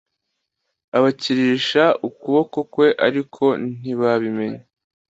ibakirisha ukuboko kwe ariko ntibabimenya